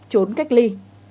trốn cách ly